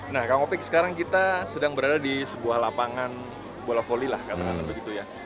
nah kang opik sekarang kita sedang berada di sebuah lapangan bola volley lah katakanlah begitu ya